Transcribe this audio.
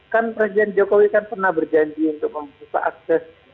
kan presiden jokowi kan pernah berjanji untuk membuka akses